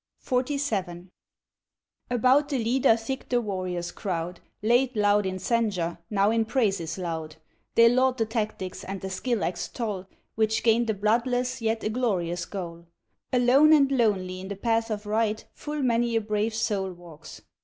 XLVIII. About the leader thick the warriors crowd; Late loud in censure, now in praises loud, They laud the tactics, and the skill extol Which gained a bloodless yet a glorious goal. Alone and lonely in the path of right Full many a brave soul walks.